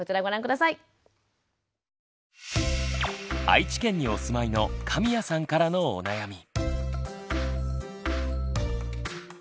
愛知県にお住まいの神谷さんからのお悩み。